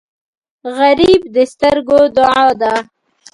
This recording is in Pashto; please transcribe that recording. غریب د سترګو دعا ده